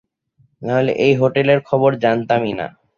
নাহলে এই হোটেলের খবর জানতামই না।